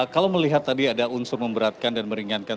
kalau melihat tadi ada unsur memberatkan dan meringankan